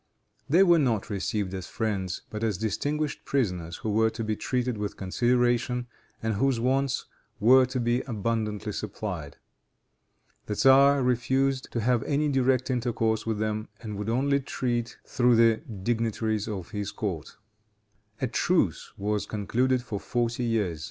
They were not received as friends, but as distinguished prisoners, who were to be treated with consideration, and whose wants were to be abundantly supplied. The tzar refused to have any direct intercourse with them, and would only treat through the dignitaries of his court. A truce was concluded for forty years.